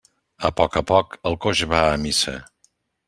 A poc a poc el coix va a missa.